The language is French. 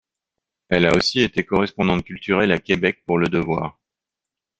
Elle a aussi été correspondante culturelle à Québec pour Le Devoir.